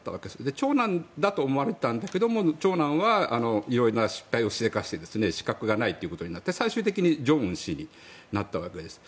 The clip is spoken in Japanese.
長男だと思われていたんだけど長男は色んな失敗をしでかして資格がないということになって最終的に正恩氏になったわけです。